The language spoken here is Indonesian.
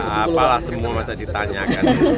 apalah semua masa ditanyakan